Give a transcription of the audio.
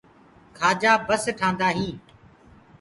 ڪآجآ بس ٽآندآ هينٚ۔